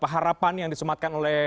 harapan yang disumatkan oleh